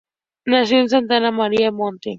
Nació en Santa Maria a Monte.